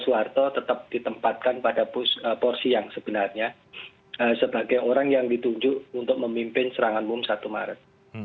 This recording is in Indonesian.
soeharto tetap ditempatkan pada porsi yang sebenarnya sebagai orang yang ditunjuk untuk memimpin serangan umum satu maret